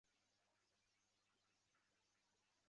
台湾台北电影奖最佳编剧获奖影片列表如下。